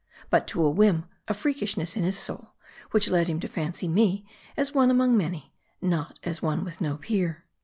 But to a whim, a freakishness in his soul, which led him to fancy me as one among many, not as one with no peer.